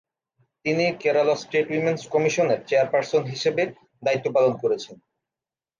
তিনি Kerala state women's কমিশনের chairperson হিসেবে দায়িত্ব পালন করেছেন।